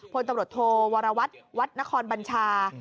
พลตำรวจโทวรวัตรวัดนครบัญชา